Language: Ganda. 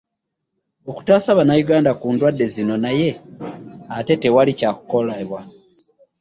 Okutaasa Bannayuganda ku ndwadde zino naye ate tewali kyakolebwa.